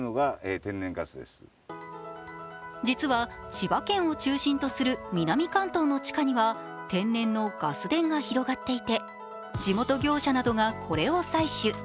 実は千葉県を中心とする南関東の地下には天然のガス田が広がっていて地元業者などがこれを採取。